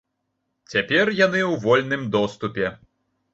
Цяпер яны ў вольным доступе.